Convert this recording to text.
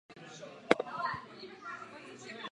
Jako Evropané se můžeme navzájem hodně učit.